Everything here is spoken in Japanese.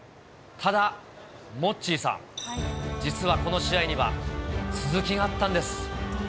ただ、モッチーさん、実はこの試合には続きがあったんです。